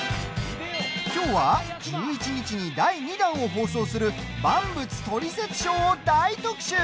きょうは１１日に第２弾を放送する「万物トリセツショー」を大特集。